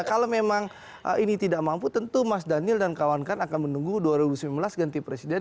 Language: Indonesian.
kalau memang ini tidak mampu tentu mas daniel dan kawan kawan akan menunggu dua ribu sembilan belas ganti presiden